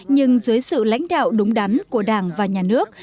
nhưng dưới sự lãnh đạo đúng đắn của đảng và nhà nước